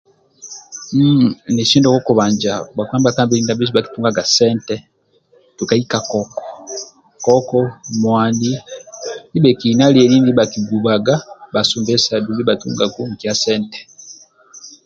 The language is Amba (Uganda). Nesiyo ndia kokubanja bakpa ndibha ka ngongwa mbili ndiasu bhakitungaga sente tukai ka koko koko mwani ndibhekina lieli ndia bhakigubaga basumbesa dumbi bhatungaku nkya sente